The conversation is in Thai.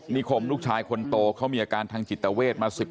พ่อของผู้ตายนะครับแล้วก็คนก่อเหตุด้วยนะครับ